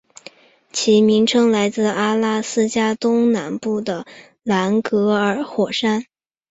其名称来自阿拉斯加东南部的兰格尔火山。